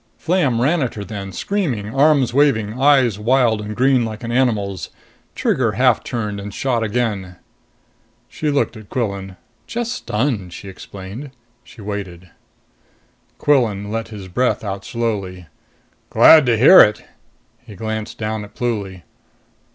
Flam ran at her then, screaming, arms waving, eyes wild and green like an animal's. Trigger half turned and shot again. She looked at Quillan. "Just stunned," she explained. She waited. Quillan let his breath out slowly. "Glad to hear it!" He glanced down at Pluly.